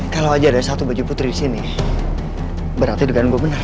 kalau aja ada satu baju putri disini berarti degan gue bener